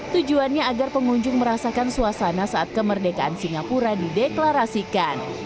tujuannya agar pengunjung merasakan suasana saat kemerdekaan singapura dideklarasikan